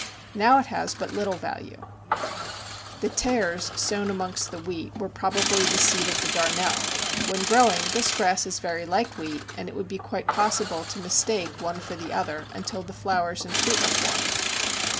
Now it has but little value. Heuzé, Les Plantes Industrielles. The Tares sown amongst the wheat were probably the seed of the Darnel. When growing, this grass is very like wheat, and it would be quite possible to mistake one for the other until the flowers and fruit are formed.